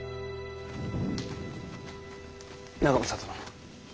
長政殿。